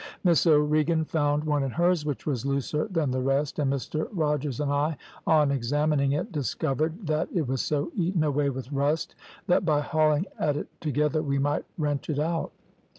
Miss O'Regan found one in hers which was looser than the rest, and Mr Rogers and I on examining it discovered that it was so eaten away with rust, that by hauling at it together we might wrench it out.